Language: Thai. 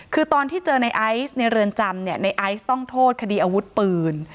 คือตอนที่เจอในไอซ์ในเรือนจำเนี่ยในไอซ์ต้องโทษคดีอาวุธปืน